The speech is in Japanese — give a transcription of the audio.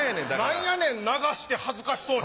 何やねん流して恥ずかしそうに。